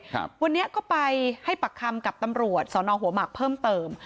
ครับวันนี้ก็ไปให้ปากคำกับตำรวจสอนอหัวหมากเพิ่มเติม